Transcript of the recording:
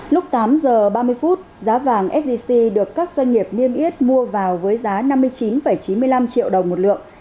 lúc tám h ba mươi phút giá vàng sgc được các doanh nghiệp niêm yết mua vào với giá năm mươi chín chín mươi năm triệu đồng một lượng